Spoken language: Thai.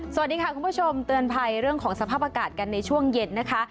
สวัสดีค่ะคุณผู้ชมเตือนภัยเรื่องของสภาพอากาศกันในช่วงเย็นนะคะ